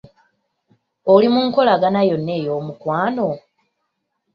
Oli mu nkolagana yonna ey'omukwano?